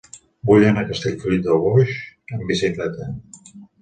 Vull anar a Castellfollit del Boix amb bicicleta.